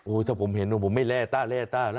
ถ้าผมเห็นว่าผมไม่แร่ต้าแร่ต้าแล้ว